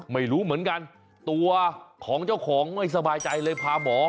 ไม่รู้เหมือนกันตัวของเจ้าของไม่สบายใจเลยพาหมอ